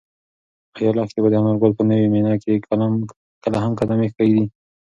ایا لښتې به د انارګل په نوې مېنه کې کله هم قدم کېږدي؟